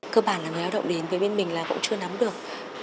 cơ bản là người lao động đến với bên mình là cũng chưa nắm được